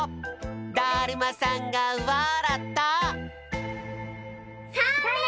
だるまさんがわらった！